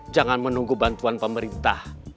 jangan menunggu bantuan pemerintah